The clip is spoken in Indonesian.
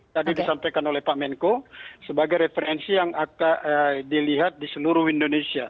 tadi disampaikan oleh pak menko sebagai referensi yang akan dilihat di seluruh indonesia